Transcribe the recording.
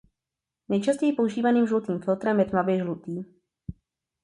Nejčastěji používaným žlutým filtrem je tmavě žlutý.